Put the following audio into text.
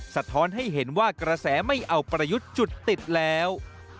สะท้อนให้เห็นว่ากระแสไม่เอาประยุทธ์จุดติดแล้ว